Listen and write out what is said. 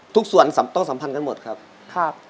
ทุกส่วนต้องสัมพันธ์กันหมดครับ